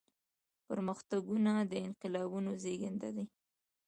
پرمختګونه د انقلابونو زيږنده دي.